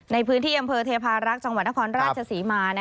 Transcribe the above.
ในพื้นที่อำเภอเทพารักษ์จังหวัดนครราชศรีมา